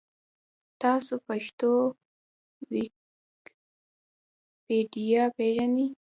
تاسو پښتو ویکیپېډیا پېژنۍ؟